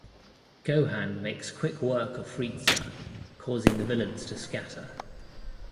Gohan makes quick work of Frieza, causing the villains to scatter.